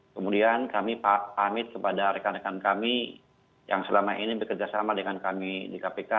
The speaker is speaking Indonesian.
kemudian kami pamit kepada rekan rekan kami yang selama ini bekerjasama dengan kami di kpk